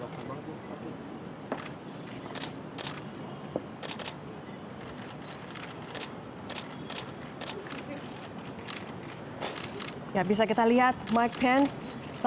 dan terima kasih atas kesempatan anda